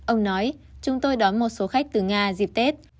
ông nói chúng tôi đón một số khách từ nga dịp tết